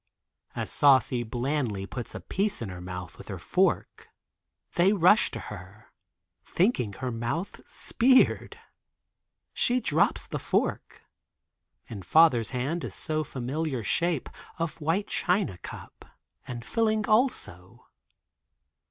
As Saucy blandly puts a piece in her mouth with her fork, they rush to her, thinking her mouth speared. She drops the fork. In father's hand is so familiar shape of white China cup and filling also.